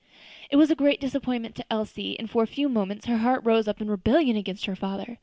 It was a great disappointment to Elsie, and for a few moments her heart rose up in rebellion against her father.